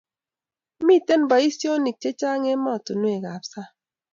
Mite boishonik checheng' emotunuekab sang